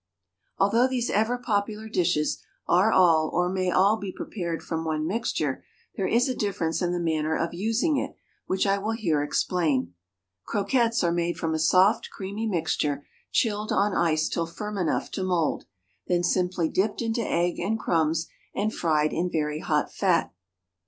Although these ever popular dishes are all or may all be prepared from one mixture, there is a difference in the manner of using it which I will here explain. Croquettes are made from a soft creamy mixture chilled on ice till firm enough to mould, then simply dipped into egg and crumbs and fried in very hot fat.